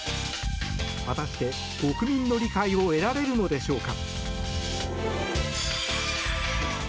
果たして、国民の理解を得られるのでしょうか？